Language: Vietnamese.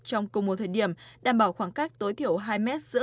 trong cùng một thời điểm đảm bảo khoảng cách tối thiểu hai m giữa